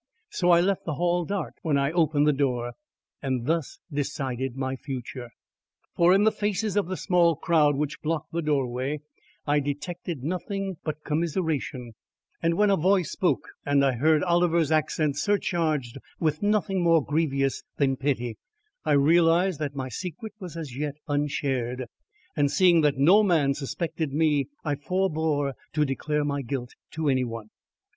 So I left the hall dark when I opened the door. And thus decided my future. For in the faces of the small crowd which blocked the doorway, I detected nothing but commiseration; and when a voice spoke and I heard Oliver's accents surcharged with nothing more grievous than pity, I realised that my secret was as yet unshared, and seeing that no man suspected me, I forebore to declare my guilt to any one.